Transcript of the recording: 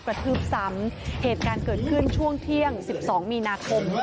กระทืบซ้ำเหตุการณ์เกิดขึ้นช่วงเที่ยง๑๒มีนาคม